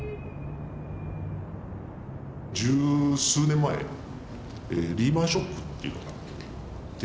十数年前リーマンショックっていうのがあって。